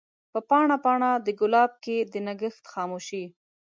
په پاڼه ، پاڼه دګلاب کښي د نګهت خاموشی